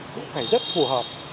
cũng phải rất phù hợp